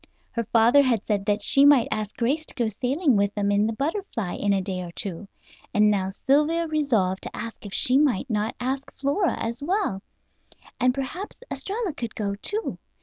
Her father had said that she might ask Grace to go sailing with them in the Butterfly in a day or two; and now Sylvia resolved to ask if she might not ask Flora as well, and perhaps Estralla could go, too.